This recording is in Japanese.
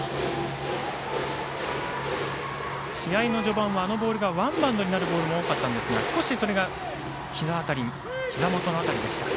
試合の序盤はあのボールがワンバウンドになることが多かったんですが少しそれがひざ元の辺りでした。